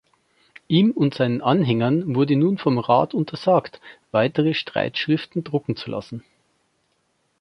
Ihm und seinen Anhängern wurde nun vom Rat untersagt, weitere Streitschriften drucken zu lassen.